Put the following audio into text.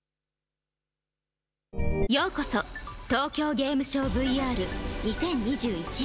ようこそ東京ゲームショウＶＲ２０２１へ。